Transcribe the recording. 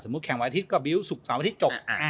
สมมุติแข่งวันอาทิตย์ก็บิลล์สุดสามวันอาทิตย์จบ